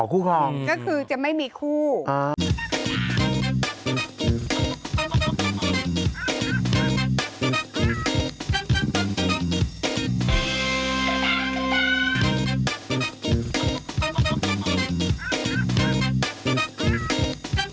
อ๋อคู่ของอืมอืมอืมอืมอืมอืมอืมอืมอืมก็คือจะไม่มีคู่